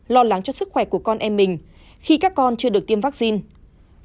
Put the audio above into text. lo lắng cho sức khỏe của con em mình khi các con chưa được tiêm vaccine